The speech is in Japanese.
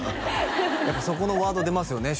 やっぱそこのワード出ますよね